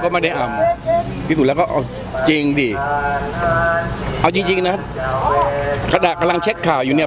ไม่ได้อำที่สุดแล้วก็เอาจริงดิเอาจริงจริงนะขณะกำลังเช็คข่าวอยู่เนี่ย